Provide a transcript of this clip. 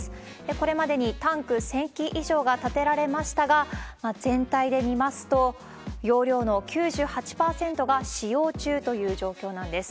これまでにタンク１０００基以上が建てられましたが、全体で見ますと、容量の９８％が使用中という状況なんです。